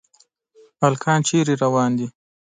هلکان چېرته روان دي ؟